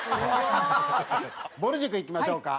ぼる塾いきましょうか。